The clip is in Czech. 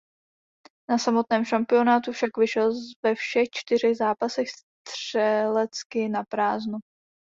Na samotném šampionátu však vyšel ve všech čtyřech zápasech střelecky naprázdno.